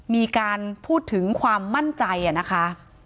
มีการพูดถึงความมั่นใจนะคะ